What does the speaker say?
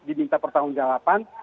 diminta pertanggung jawaban